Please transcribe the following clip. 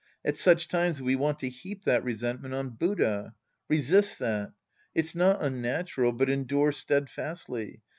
At such times we want to heap that resentment on Buddha. Resist that. It's not unnatural, but endure steadfastly.